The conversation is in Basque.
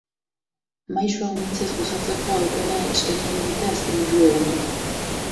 Maisu anitzez gozatzeko aukera eskaini digute azken hiru egunek.